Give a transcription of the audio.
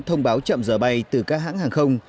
thông báo chậm giờ bay từ các hãng hàng không